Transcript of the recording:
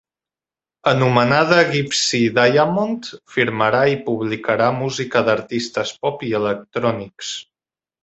Anomenada Gypsey Diamond, firmarà i publicarà música d'artistes pop i electrònics.